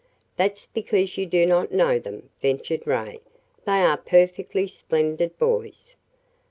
"That's because you do not know them," ventured Ray. "They are perfectly splendid boys."